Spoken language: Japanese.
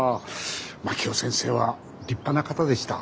真樹夫先生は立派な方でした。